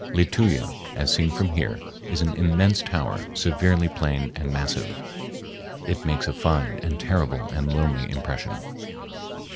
Lituya, as seen from here, is an immense tower, severely plain and massive. It makes a fine and terrible and lonely impression.